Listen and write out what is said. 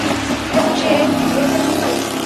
এবং সে একদিন একটা ডিম পাড়ে।